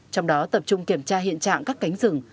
trong đó tập trung kiểm tra hiện trạng các cánh rừng